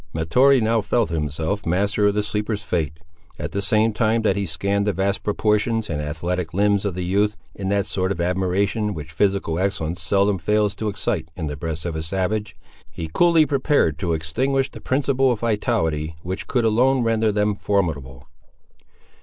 Mahtoree now felt himself master of the sleeper's fate. At the same time that he scanned the vast proportions and athletic limbs of the youth, in that sort of admiration which physical excellence seldom fails to excite in the breast of a savage, he coolly prepared to extinguish the principle of vitality which could alone render them formidable.